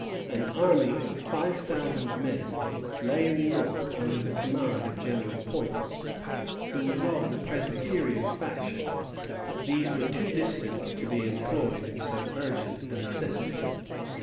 An army of five thousand men lay in the north under the command of General Pointz, who was of the Presbyterian faction; but these were too distant to be employed in so urgent a necessity.